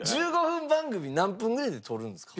１５分番組何分ぐらいで撮るんですか？